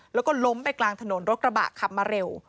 แล้วก็ล้มไปกลางถนนรถกระบะขับมาเร็ว